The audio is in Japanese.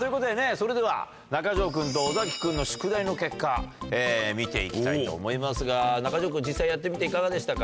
それでは中条君と尾崎君の宿題の結果見て行きたいと思いますが中条君実際やってみていかがでしたか？